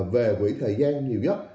về quỹ thời gian nhiều nhất